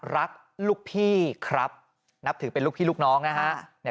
รักลูกพี่ครับนับถือเป็นลูกพี่ลูกน้องนะฮะ